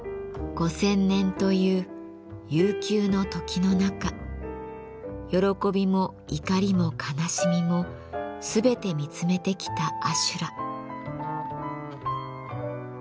５，０００年という悠久の時の中喜びも怒りも悲しみもすべて見つめてきた阿修羅。